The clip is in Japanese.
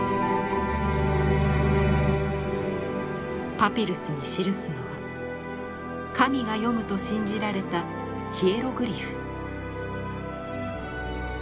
パピルスに記すのは神が読むと信じられたヒエログリフ。